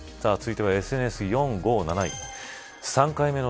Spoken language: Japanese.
続いてはＳＮＳ４、５、７位